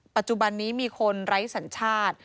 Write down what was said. ปัจจุบันนี้มีคนไร้สัญชาติ